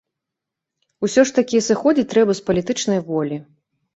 Усё ж такі, сыходзіць трэба з палітычнай волі.